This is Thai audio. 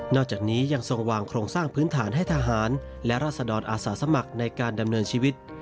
อกจากนี้ยังทรงวางโครงสร้างพื้นฐานให้ทหารและราศดรอาสาสมัครในการดำเนินชีวิต